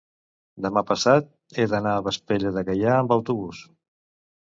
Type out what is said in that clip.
demà passat he d'anar a Vespella de Gaià amb autobús.